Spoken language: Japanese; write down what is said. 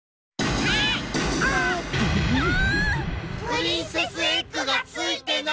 プリンセスエッグがついてない。